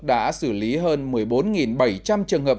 đã xử lý hơn một mươi bốn bảy trăm linh trường hợp